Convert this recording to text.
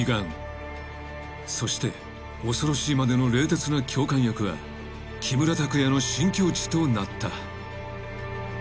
［そして恐ろしいまでの冷徹な教官役は木村拓哉の新境地となった］